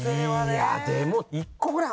いやでも。